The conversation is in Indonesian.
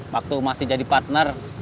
waktu masih jadi partner